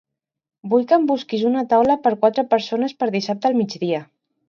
Vull que em busquis una taula per quatre persones per dissabte al migdia.